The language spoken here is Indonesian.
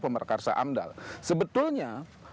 pemerkarsa amdal sebetulnya